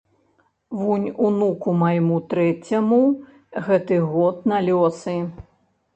Вунь унуку майму трэцяму гэты год на лёсы.